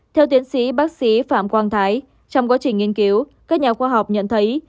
theo tiến sĩ bác sĩ phạm quang thái trong quá trình nghiên cứu các nhà khoa học nhận thấy